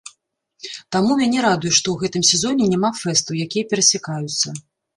Таму мяне радуе, што ў гэтым сезоне няма фэстаў, якія перасякаюцца.